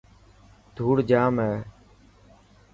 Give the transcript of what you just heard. ڌوڙ ڄام هي.